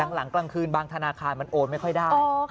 หลังกลางคืนบางธนาคารมันโอนไม่ค่อยได้